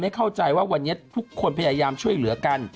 เข้าใจว่าวันนี้ทุกคนพยายามช่วยเหลือกัน